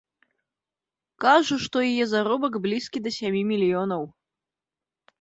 Кажа, што яе заробак блізкі да сямі мільёнаў.